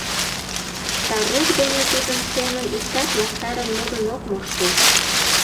Тарокк дене тудын семын иктат мастарын модын ок мошто.